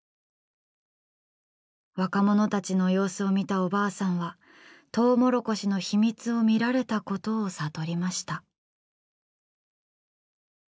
若者たちの様子を見たおばあさんはとうもろこしの秘密を見られたことを悟りました。